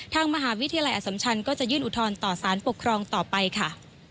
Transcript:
ทางมหาวิทยาลัยอสัมชันก็จะยื่นอุทธรณ์ต่อสารปกครองต่อไปค่ะ